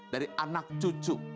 dari anak cucu